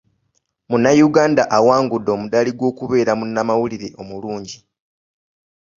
Munnayuganda awangudde omudaali gw'okubeera munnamawulire omulungi.